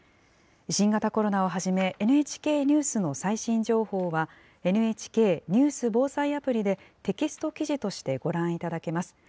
新型コロナをはじめ、ＮＨＫニュースの最新情報は、ＮＨＫニュース・防災アプリでテキスト記事としてご覧いただけます。